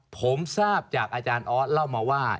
ผมทราบจากอาจารย์ออสเล่ามาว่า